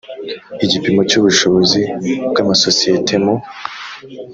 igipimo cy ubushobozi bw amasosiyete mu